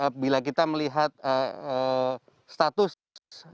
sehingga aktivitas wisata tidak bisa dilakukan atau masuk ke kabupaten sleman